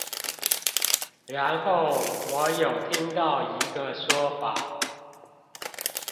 然後，我有聽到一個說法